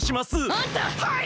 あんた！